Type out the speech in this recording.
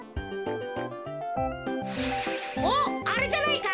おっあれじゃないか？